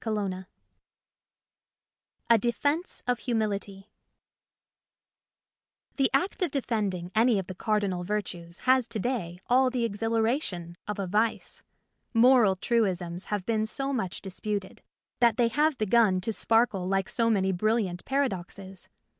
^ DEFENCE OF HUMILITY THE act of defending any of the cardi nal virtues has to day all the exhilara tion of a vice. Moral truisms have been so much disputed that they have begun to sparkle like so many brilliant paradoxes.